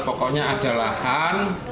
pokoknya ada lahan